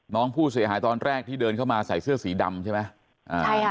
น้องผู้เสียหายตอนแรกที่เดินเข้ามาใส่เสื้อสีดำใช่ไหมอ่าใช่ค่ะ